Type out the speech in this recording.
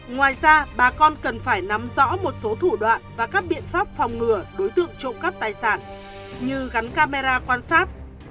ngoài ra bà con cần phải nắm rõ một số thủ đoạn và các biện pháp phòng ngừa đối tượng trộm cắp tài sản như gắn camera quan sát